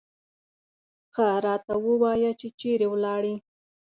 ښه راته ووایه چې چېرې ولاړې.